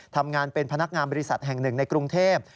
ทำงานเป็นพนักงานบริษัทแห่งหนึ่งในกรุงเทพ